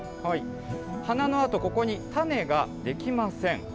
花のあと、ここに種が出来ません。